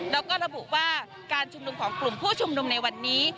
แล้วก็ระบุว่าการชุมนุมของกลุ่มผู้ชุมนุมในวันนี้